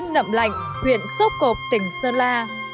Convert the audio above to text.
nậm lạnh huyện xốp cột tỉnh sơ la